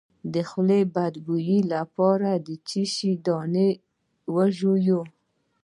د خولې د بد بوی لپاره د څه شي دانه وژويئ؟